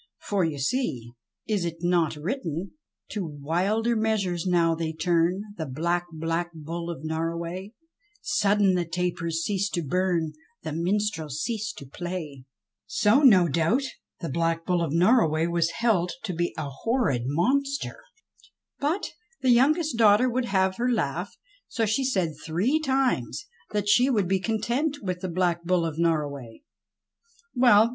For, see you, is it not written :! "To wilder measure now they turn ' The black black Bull of Norroway, ] Sudden the tapers cease to burn \ The minstrels cease to play." j 154 I i THE BLACK BULL OF NORROWAY 155 So, no doubt, the Black Bull of Norroway was held to be a horrid monster. But the youngest daughter would have her laugh, so she said three times that she would be content with the Black Bull of Norroway. Well